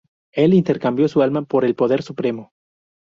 Él intercambió su alma por el poder supremo.